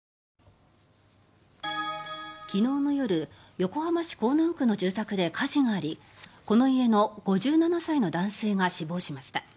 昨日の夜横浜市港南区の住宅で火事がありこの家の５７歳の男性が死亡しました。